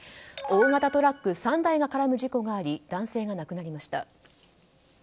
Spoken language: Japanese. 大型トラック３台が絡む事故があり男性が亡くなりました。